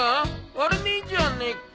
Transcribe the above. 割れねえじゃねえか。